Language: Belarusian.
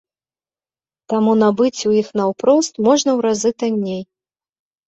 Таму набыць у іх наўпрост можна ў разы танней.